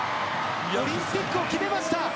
オリンピックを決めました。